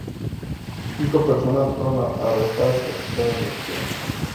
Cinco personas fueron arrestadas y acusadas del crimen.